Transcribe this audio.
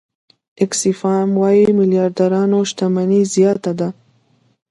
آکسفام وايي میلیاردرانو شتمني زیاته ده.